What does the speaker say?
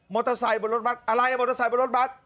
เตอร์ไซค์บนรถบัตรอะไรมอเตอร์ไซค์บนรถบัตร